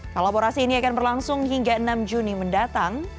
kolaborasi ini akan berlangsung hingga enam juni mendatang